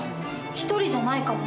１人じゃないかも。